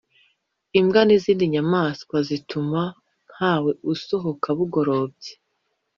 imbwa n’izindi nyamaswa zituma ntawe usohoka bugorobye